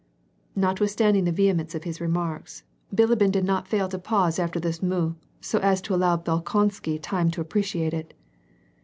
* Notwithstanding the vehemence of his remarks, Bilibin did not fail to pause after this mot, so as to allow Bolkonsky time to appreciate it.